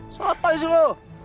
satai sih lo